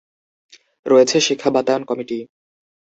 রয়েছে শিক্ষক বাতায়ন কমিটি।